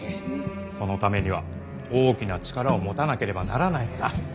そのためには大きな力を持たなければならないのだ。